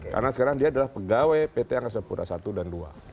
karena sekarang dia adalah pegawai pt angga sempurna satu dan dua